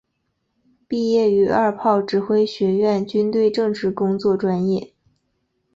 毕业于二炮指挥学院军队政治工作专业。